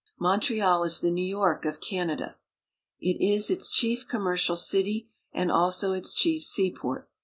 V Montreal is the New York of Canada. It is its chief commercial city, and also its chief seaport.